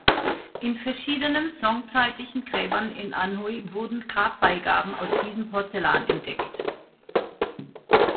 In verschiedenen song-zeitlichen Gräbern in Anhui wurden Grabbeigaben aus diesem Porzellan entdeckt.